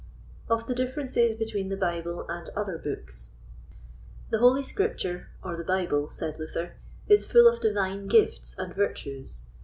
Of the Differences between the Bible and other Books. The Holy Scripture, or the Bible, said Luther, is full of divine gifts and virtues.